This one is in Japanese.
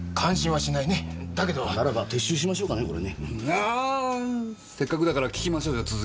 ああんせっかくだから聞きましょうよ続き。